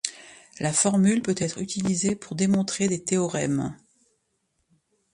La formule peut être utilisée pour démontrer des théorèmes.